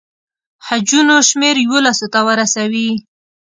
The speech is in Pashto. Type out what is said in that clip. حجونو شمېر یوولسو ته ورسوي.